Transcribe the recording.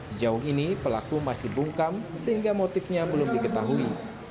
sejauh ini pelaku masih bungkam sehingga motifnya belum diketahui